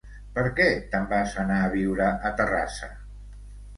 Per què te'n vas anar a viure a Terrassa?